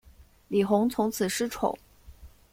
李弘从此失宠。